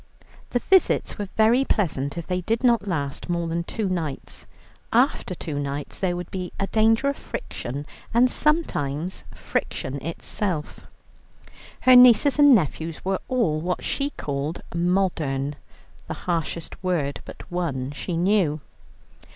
The visits were very pleasant, if they did not last more than two nights; after two nights there would be a danger of friction, and sometimes friction itself. Her nieces and nephews were all what she called "modern," the harshest word but one she knew.